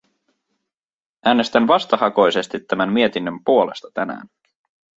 Äänestän vastahakoisesti tämän mietinnön puolesta tänään.